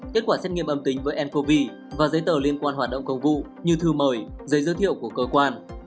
kết quả xét nghiệm âm tính với ncov và giấy tờ liên quan hoạt động công vụ như thư mời giấy giới thiệu của cơ quan